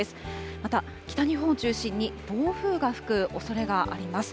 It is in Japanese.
また、北日本を中心に暴風が吹くおそれがあります。